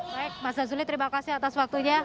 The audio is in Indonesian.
baik mas zazuli terima kasih atas waktunya